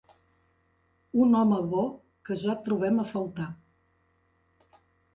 Un home bo que ja trobem a faltar.